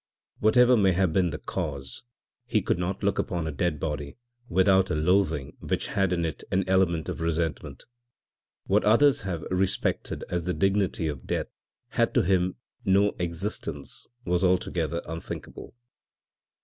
Whatever may have been the cause, he could not look upon a dead body without a loathing which had in it an element of resentment. What others have respected as the dignity of death had to him no existence was altogether unthinkable.